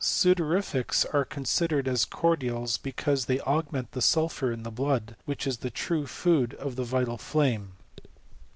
Badorifics are considered as cordials, because they augment the sulphur of the blood, which is the true fiwa of the vital flame.